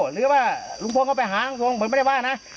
หรือว่าลุงทรงเขาไปหาลังทรงเหมือนไม่ได้ว่านะ